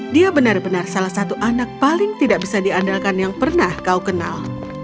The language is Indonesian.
dia benar benar salah satu anak paling tidak bisa diandalkan yang pernah kau kenal